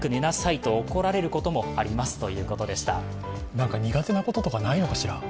なんか苦手なこととかないのかしら。